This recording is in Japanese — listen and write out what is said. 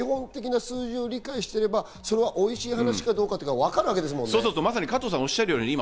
基本的な数字を理解してれば、おいしい話かどうかわかるわけですよね。